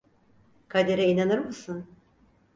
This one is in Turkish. Kadere inanır mısın?